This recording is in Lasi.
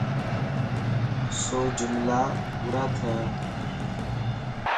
سوجملا پورا ٿيا؟